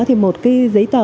thì một cái giấy tờ